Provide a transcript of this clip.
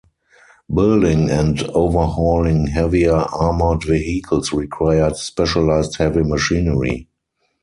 Building and overhauling heavier armoured vehicles required specialized heavy machinery.